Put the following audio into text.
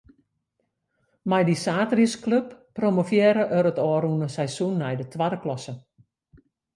Mei dy saterdeisklup promovearre er it ôfrûne seizoen nei de twadde klasse.